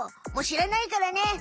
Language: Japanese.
もう知らないからね！